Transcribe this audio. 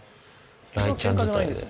雷ちゃん伝いで。